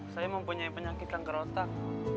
saya mempunyai penyakit kanker otak